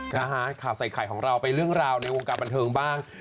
นะฮะข่าวใส่ไข่ของเราไปเรื่องราวในวงการบันเทิงบ้าง